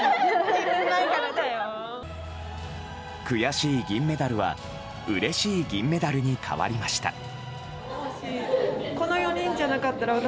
悔しい銀メダルはうれしい銀メダルに変わりました。